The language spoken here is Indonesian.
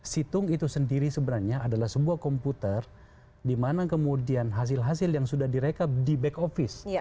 situng itu sendiri sebenarnya adalah sebuah komputer di mana kemudian hasil hasil yang sudah direkap di back office